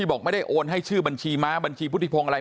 โอนให้ชื่อบัญชีม้าบัญชีพุทธิพงอะไร